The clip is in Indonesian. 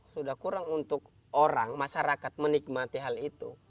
sudah kurang untuk orang masyarakat menikmati hal itu